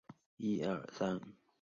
之后辖境屡有变迁。